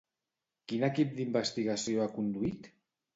Quin equip d'investigació ha conduït?